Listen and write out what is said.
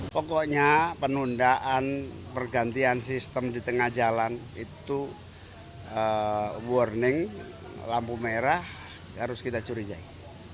pokoknya penundaan pergantian sistem di tengah jalan itu warning lampu merah harus kita curigai